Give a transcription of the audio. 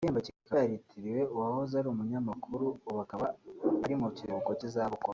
Iki gihembo cyikaba cyaritiriwe uwahoze ari umunyamakuru ubu akaba ari mu kiruhuko cy’izabukuru